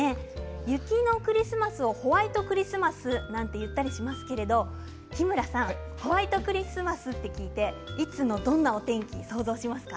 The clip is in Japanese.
雪のクリスマスをホワイトクリスマスなんて言ったりしますけれど日村さん、ホワイトクリスマスって聞いていつのどんなお天気を想像しますか。